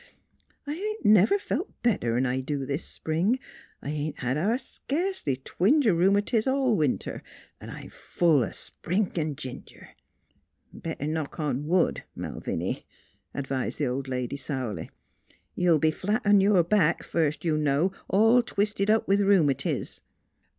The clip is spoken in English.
I ain't never felt better 'n I do this spring; I ain't had sca'cely a twinge o' rheumatiz all winter, 'n' I'm full o' spring an' ginger." " Better knock on wood, Malviny," advised the old lady sourly. " You'll be flat on your back, first you know, all twisted up with rheumatiz."